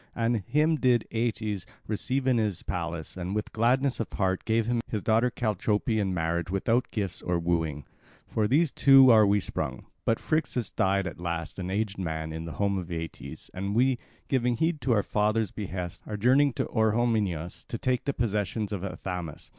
And him did Aeetes receive in his palace, and with gladness of heart gave him his daughter Chalciope in marriage without gifts of wooing. From those two are we sprung. But Phrixus died at last, an aged man, in the home of Aeetes; and we, giving heed to our father's behests, are journeying to Orehomenus to take the possessions of Athamas.